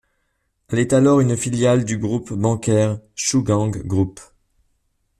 Elle est alors une filiale du groupe bancaire Shougang Group.